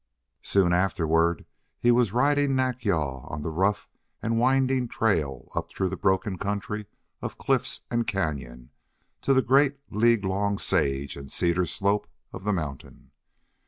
Soon afterward he was riding Nack yal on the rough and winding trail up through the broken country of cliffs and cañon to the great league long sage and cedar slope of the mountain.